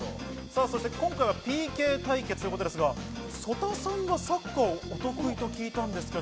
今回はＰＫ対決ということですが、曽田さんがサッカーお得意と聞いたんですが。